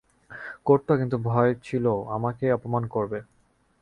করত কিন্তু ভয় ছিল ও আমাকে অপমান করবে।